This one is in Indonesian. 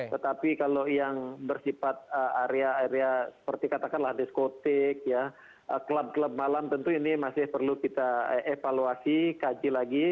tetapi kalau yang bersifat area area seperti katakanlah diskotik klub klub malam tentu ini masih perlu kita evaluasi kaji lagi